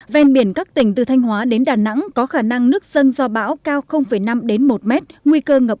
ven biển các tỉnh từ thanh hóa đến đà nẵng có khả năng nước dân do bão cao năm một m nguy cơ ngập